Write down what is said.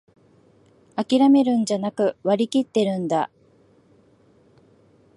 あきらめるんじゃなく、割りきってるんだ